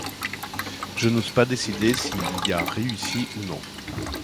Je n'ose pas décider s'il y a réussi ou non.